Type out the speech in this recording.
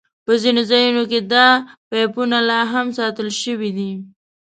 په ځینو ځایونو کې دا پایپونه لاهم ساتل شوي دي.